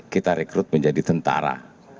kita rekrut menjadi tentara